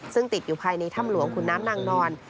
ซึ่งติดอยู่ภายในถ้ำหลวงขุนน้ำนางนอน